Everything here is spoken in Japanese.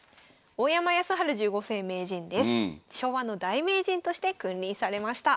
昭和の大名人として君臨されました。